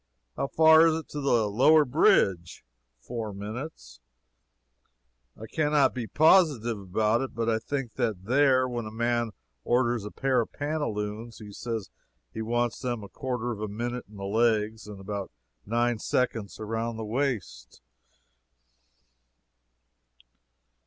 "How far is it to the lower bridge?" "Four minutes." I can not be positive about it, but I think that there, when a man orders a pair of pantaloons, he says he wants them a quarter of a minute in the legs and nine seconds around the waist.